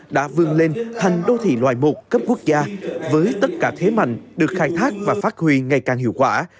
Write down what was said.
đã vươn lên thành đô thị loại một cấp quốc gia với tất cả thế mạnh được khai thác và phát huy ngày càng hiệu quả